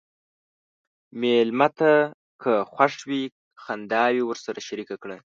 مېلمه ته که خوښ وي، خنداوې ورسره شریکه کړه.